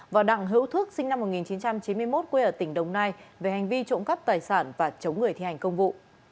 và đặng hữu thước sinh năm một nghìn chín trăm chín mươi một quê ở tỉnh đồng nai về hành vi trộm cắp tài sản và chống người thi hành công vụ